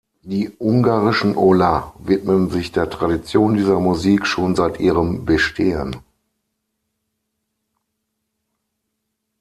Die ungarischen Oláh widmen sich der Tradition dieser Musik schon seit ihrem Bestehen.